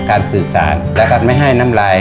สื่อสารและการไม่ให้น้ำลาย